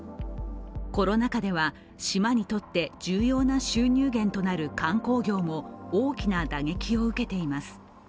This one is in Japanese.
コロナ禍では島にとって重要な収入源となる観光業も大きな打撃を受けています。